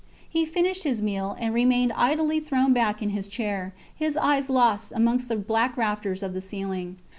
He finished his meal, and remained idly thrown back in his chair, his eyes lost amongst the black rafters of the ceiling.